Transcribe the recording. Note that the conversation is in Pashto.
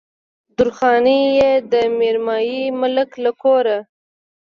درخانۍ يې د ميرمايي ملک له کوره